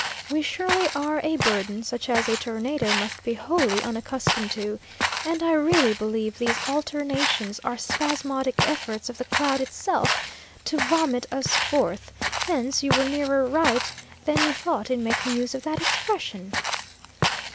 We surely are a burden such as a tornado must be wholly unaccustomed to, and I really believe these alternations are spasmodic efforts of the cloud itself to vomit us forth; hence you were nearer right than you thought in making use of that expression."